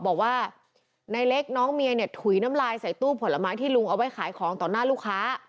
บอกว่าในเล็กน้องเมียเนี่ยถุยน้ำลายใส่ตู้ผลไม้ที่ลุงเอาไว้ขายของต่อหน้าลูกค้า